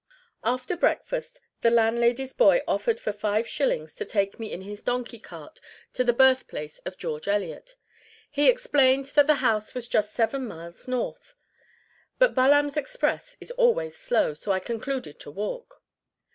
After breakfast the landlady's boy offered for five shillings to take me in his donkey cart to the birthplace of George Eliot. He explained that the house was just seven miles north; but Baalam's express is always slow, so I concluded to walk.